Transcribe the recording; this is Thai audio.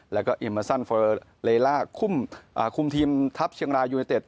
แล้วก็อิมเมอร์ซันฟอเรลล่าคุมทีมทัพเชียงรายุนิเตต